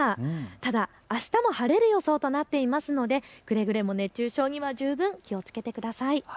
ただあしたも晴れる予想となっていますのでくれぐれも熱中症には十分気をつけてください。